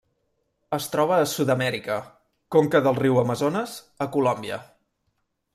Es troba a Sud-amèrica: conca del riu Amazones, a Colòmbia.